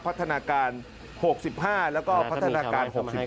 พัฒนาการ๖๕แล้วก็พัฒนาการ๖๔